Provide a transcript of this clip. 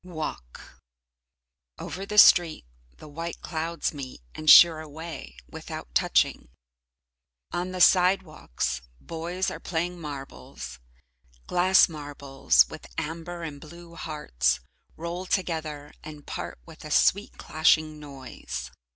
Walk Over the street the white clouds meet, and sheer away without touching. On the sidewalks, boys are playing marbles. Glass marbles, with amber and blue hearts, roll together and part with a sweet clashing noise.